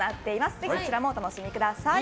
ぜひそちらもお楽しみください。